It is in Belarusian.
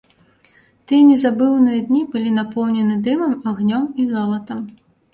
Тыя незабыўныя дні былі напоўнены дымам, агнём і золатам.